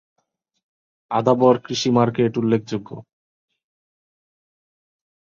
আদাবর কৃষি মার্কেট উল্লেখযোগ্য।